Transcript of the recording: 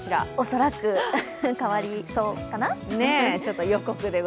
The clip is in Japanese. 恐らく、変わりそうかな？